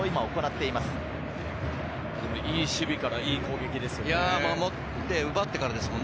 いい守備からいい攻撃ですよね。